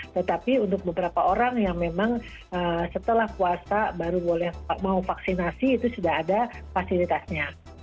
tetapi untuk beberapa orang yang memang setelah puasa baru boleh mau vaksinasi itu sudah ada fasilitasnya